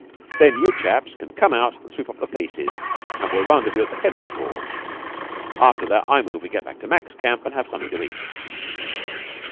'Then you chaps can come out and sweep up the pieces, and we'll rendezvous at the head of the gorge. After that, I move we get back to Mac's camp and have something to eat."